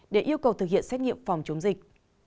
để yêu cầu thực hiện xét nghiệm phòng chống dịch